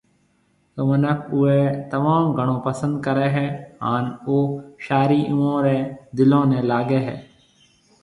تو منک اوئي تموم گھڻو پسند ڪري هي هان او شاعري اوئون ري دلون ني لاگي هي